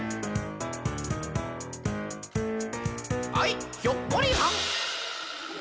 「はいひょっこりはん」。